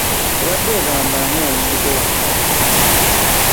Obadde ogamba ani ayingidde wano?